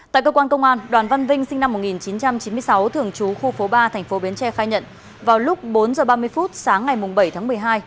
tại cơ quan công an đoàn văn vinh sinh năm một nghìn chín trăm chín mươi sáu thường trú khu phố ba thành phố bến tre khai nhận vào lúc bốn h ba mươi phút sáng ngày bảy tháng một mươi hai